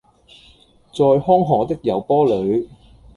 在康河的柔波裡